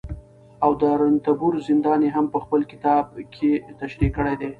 او د رنتبور زندان يې هم په خپل کتابکې تشريح کړى دي